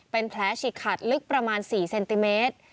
เป็นแผลฉีกขาดลึกประมาณ๔เซนติเมตร